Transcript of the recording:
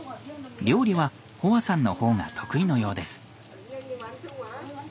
料理はホアさんのほうが得意のようです。